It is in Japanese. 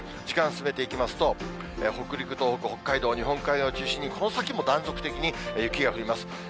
時間進めていきますと、北陸、東北、北海道、日本海側を中心にこの先も断続的に雪が降ります。